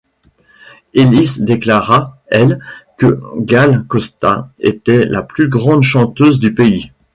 Elis déclara elle que Gal Costa était la plus grande chanteuse du pays.